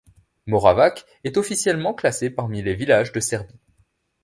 Moravac est officiellement classé parmi les villages de Serbie.